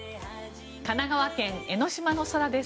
神奈川県・江の島の空です。